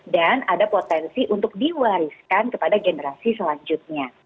dan ada potensi untuk diwariskan kepada generasi selanjutnya